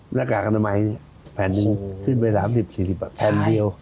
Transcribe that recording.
หน้ากากอนามัยแผ่นหนึ่งขึ้นไป๓๐๔๐แผ่นเดียว